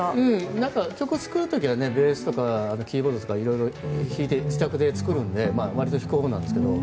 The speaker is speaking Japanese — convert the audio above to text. なんか、曲を作るときはベースとかキーボードでいろいろ弾いて自宅で作るんで割と弾くほうなんですけど。